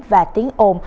và tiếng ồn